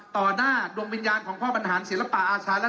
หน้าดวงวิญญาณของพ่อบรรหารศิลปะอาชาและ